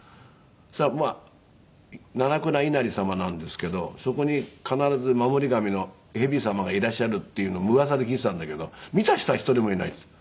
そしたら七倉稲荷様なんですけどそこに必ず守り神の蛇様がいらっしゃるっていうのはうわさで聞いてたんだけど見た人は１人もいないっていって。